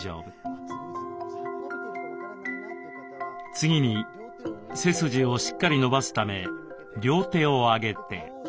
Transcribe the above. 次に背筋をしっかり伸ばすため両手を上げて。